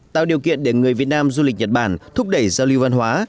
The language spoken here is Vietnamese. tạo điều kiện để người việt nam du lịch nhật bản thúc đẩy giao lưu văn hóa